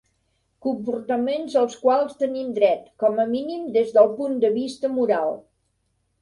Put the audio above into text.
Comportaments als quals tenim dret, com a mínim des del punt de vista moral.